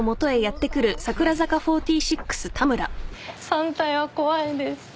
３体は怖いです。